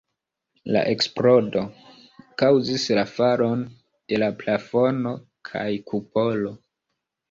La eksplodo kaŭzis la falon de la plafono kaj kupolo.